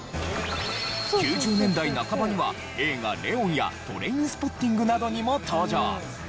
９０年代半ばには映画『レオン』や『トレインスポッティング』などにも登場。